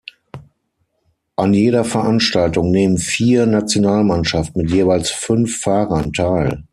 An jeder Veranstaltung nehmen vier Nationalmannschaften mit jeweils fünf Fahrern teil.